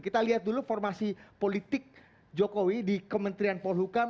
kita lihat dulu formasi politik jokowi di kementerian polhukam